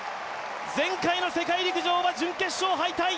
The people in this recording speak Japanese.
前回の世界陸上は準決勝敗退。